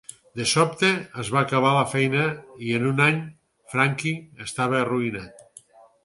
De sobte, es va acabar la feina i en un any Franchi estava arruïnat.